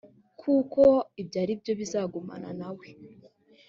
kuko ibyo ari byo bizagumana na we